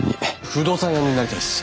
不動産屋になりたいです。